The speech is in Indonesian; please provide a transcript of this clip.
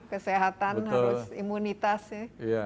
kesehatan harus imunitas ya